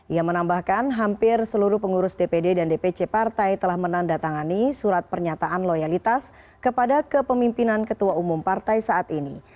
ia menambahkan hampir seluruh pengurus dpd dan dpc partai telah menandatangani surat pernyataan loyalitas kepada kepemimpinan ketua umum partai saat ini